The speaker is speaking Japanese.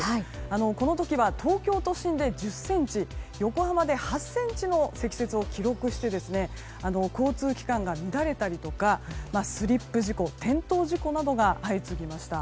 この時は東京都心で１０ｃｍ横浜で８ｃｍの積雪を記録して交通機関が乱れたりとかスリップ事故転倒事故などが相次ぎました。